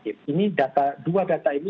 ini dua data ini